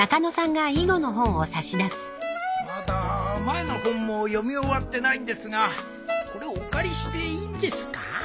まだ前の本も読み終わってないんですがこれお借りしていいんですか？